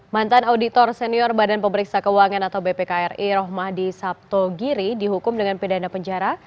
mantan auditor senior badan pemeriksa keuangan atau bpkri rohmadi sabtogiri dihukum dengan pidana penjara